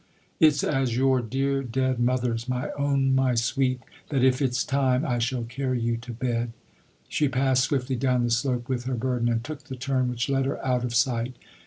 " It's as your dear dead mother's, my own my sweet, that if it's time I shall carry you to bed !" She passed swiftly down the slope with her burden and took the turn which led her out of sight.